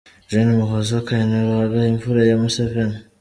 Gen Muhoozi Kainerugaba, imfura ya Museveni.